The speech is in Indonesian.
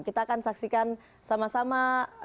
kita akan saksikan sama sama